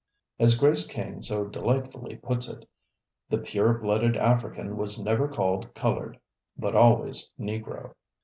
As Grace King so delightfully puts it, "The pure blooded African was never called colored, but always Negro."